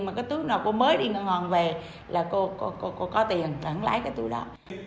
mà cái túi nào cô mới đi ngồi ngòn về là cô có tiền lãng lãi cái túi đó